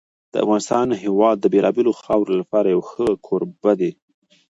د افغانستان هېواد د بېلابېلو خاورو لپاره یو ښه کوربه دی.